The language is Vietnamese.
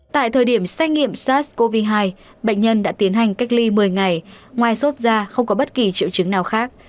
tại thời điểm xét nghiệm sars cov hai bệnh nhân đã tiến hành cách ly một mươi ngày ngoài sốt da không có bất kỳ triệu chứng nào khác